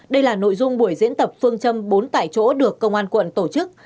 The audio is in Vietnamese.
đây là nội dung buổi diễn tập phương châm bốn tại chỗ được công an quận tổ chức